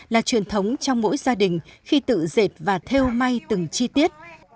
là truyền thống trong mỗi gia đình khi tự dệt và theo may từng chi tiết